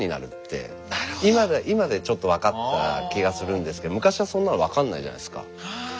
今でちょっと分かった気がするんですけど昔はそんなの分かんないじゃないですか。